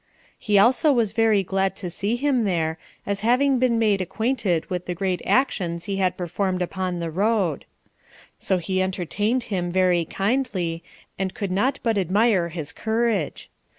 He also was very glad to see him there, as having been made acquainted with the great actions he had performed upon the road. So he entertained him very kindly, and could not but admire his courage.